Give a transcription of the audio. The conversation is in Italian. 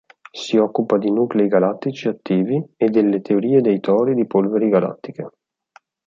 Si occupa di nuclei galattici attivi e delle teorie dei tori di polveri galattiche.